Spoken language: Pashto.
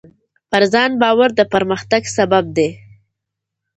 پر ځان باور د پرمختګ سبب دی.